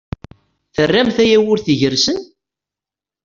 Tramt ayawurt igersen?